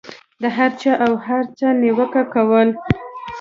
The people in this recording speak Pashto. د هر چا او هر څه نیوکه کول.